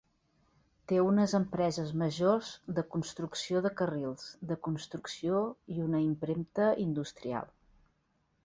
Té unes empreses majors de construcció de carrils, de construcció i una impremta industrial.